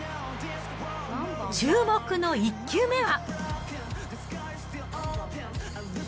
注目の１球目は。